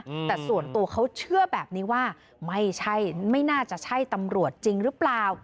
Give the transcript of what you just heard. อืมแต่ส่วนตัวเขาเชื่อแบบนี้ว่าไม่ใช่ไม่น่าจะใช่ตำรวจจริงหรือเปล่า